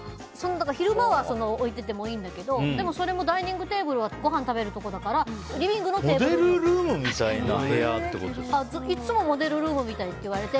昼間は置いててもいいんだけどでもそれもダイニングテーブルはごはん食べるところだからモデルルームみたいな部屋いつもモデルルームみたいって言われて。